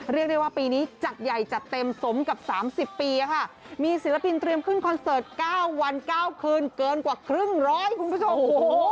เรียกได้ว่าปีนี้จัดใหญ่จัดเต็มสมกับ๓๐ปีค่ะมีศิลปินเตรียมขึ้นคอนเสิร์ต๙วัน๙คืนเกินกว่าครึ่งร้อยคุณผู้ชม